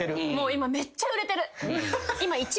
今めっちゃ売れてる。